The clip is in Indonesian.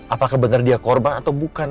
apakah benar dia korban atau bukan